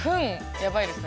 やばいですね。